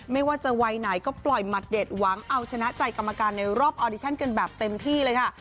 ไม่ว่าจะวัยไหนก็ปล่อยหมัดเด็ดหวังเอาชนะใจกรรมการในรอบออดิชั่นกันแบบเต็มที่เลยค่ะ